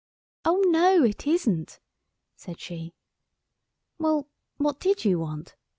"O no, it isn't," said she. "Well, what did you want?"